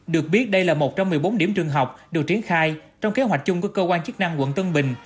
được biết đây là một trong một mươi bốn điểm trường học được triển khai trong kế hoạch chung của cơ quan chức năng quận tân bình